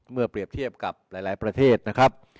เปรียบเทียบกับหลายประเทศนะครับ